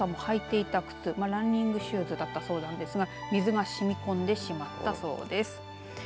加藤さんも履いていた靴ランニングシューズだったそうですが水が染み込んでしまったそうです。